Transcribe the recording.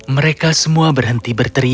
mereka semua berhenti berteriak